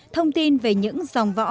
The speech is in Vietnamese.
thông tin về những dòng võ